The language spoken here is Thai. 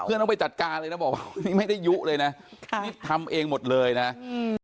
ต้องไปจัดการเลยนะบอกว่านี่ไม่ได้ยุเลยนะค่ะนี่ทำเองหมดเลยนะอืม